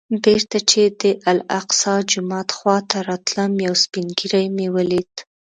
بېرته چې د الاقصی جومات خوا ته راتلم یو سپین ږیری مې ولید.